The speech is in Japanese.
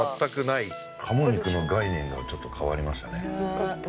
鴨肉の概念がちょっと変わりましたね。